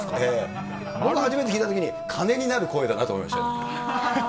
僕、初めて聴いたときに、金になる声だなと思いましたよ。